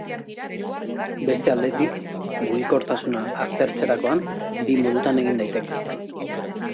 Beste aldetik, mugikortasuna aztertzerakoan bi modutan egin daiteke.